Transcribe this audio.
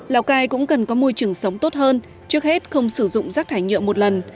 lào cai cũng cần có môi trường sống tốt hơn trước hết không sử dụng rác thải nhựa một lần